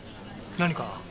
何か？